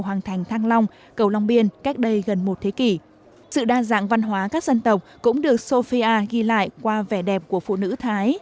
hoàng thành thăng long cầu long biên cách đây gần một thế kỷ sự đa dạng văn hóa các dân tộc cũng được sofia ghi lại qua vẻ đẹp của phụ nữ thái